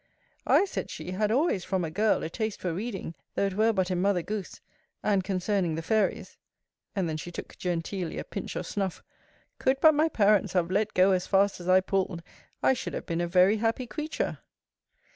I, said she, had always, from a girl, a taste for reading, though it were but in Mother Goose, and concerning the fairies [and then she took genteelly a pinch of snuff]: could but my parents have let go as fast as I pulled, I should have been a very happy creature.